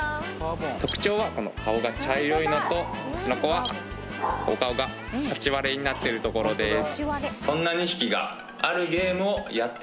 特徴は顔が茶色いのとこの子はお顔が八割れになっているところです